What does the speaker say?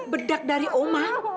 bedak dari oma